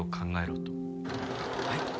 はい。